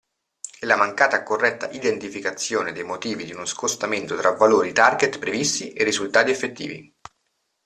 E la mancata corretta identificazione dei motivi di uno scostamento tra valori target previsti e risultati effettivi.